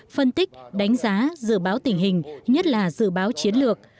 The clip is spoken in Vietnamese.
phân tích đánh giá dự báo tình hình nhất là dự báo chiến lược